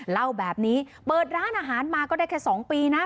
เล่าแบบนี้เปิดร้านอาหารมาก็ได้แค่๒ปีนะ